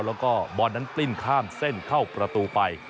แล้วก็บอลนั้นกลิ้นข้ามเส้นเข้าประตูไป